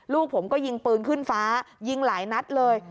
ลูกผมก็ยิงปืนขึ้นฟ้ายิงหลายนัดเลย